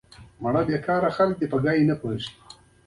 په اقتصادي او استخباراتي اوزارو اخیستي.